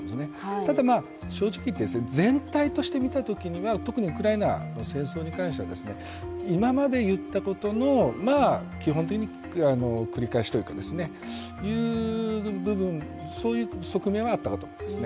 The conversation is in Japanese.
ただ正直言って、全体として見たときにはウクライナの戦争に関しては今まで言ったことの、基本的に繰り返しというかという部分、そういう側面はあったかと思います。